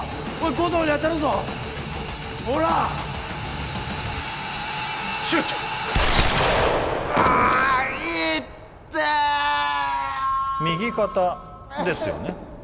護道に当たるぞほらシュートああいってえよ右肩ですよね